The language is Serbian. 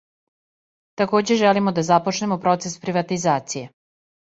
Такође желимо да започнемо процес приватизације.